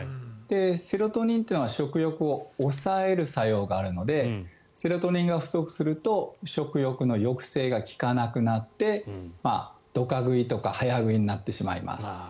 セロトニンというのは食欲を抑える作用があるのでセロトニンが不足すると食欲の抑制が利かなくなってドカ食いとか早食いになってしまいます。